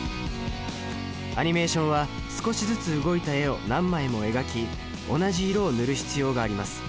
アニメーションは少しずつ動いた絵を何枚も描き同じ色を塗る必要があります。